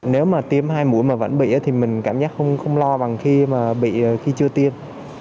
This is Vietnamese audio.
nếu mà tiêm hai mũi mà vẫn bị thì mình cảm giác không lo bằng khi mà bị khi chưa tiêm